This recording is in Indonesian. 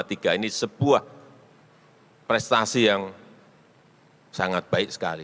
ini sebuah prestasi yang sangat baik sekali